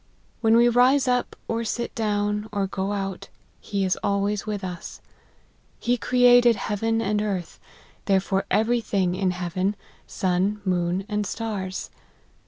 When we rise up, or sit down, or go out, he is always with us. He created heaven and earth ; therefore every thing in heaven sun, moon, and stars.